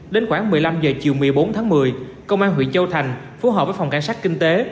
đến khoảng một mươi năm h chiều một mươi bốn tháng một mươi công an huyện châu thành phù hợp với phòng cảnh sát kinh tế